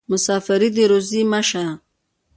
مسافري دې روزي مه شه.